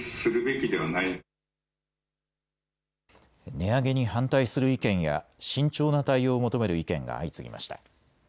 値上げに反対する意見や慎重な対応を求める意見が相次ぎました。